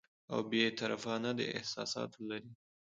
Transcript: او بې طرفانه، د احساساتو لرې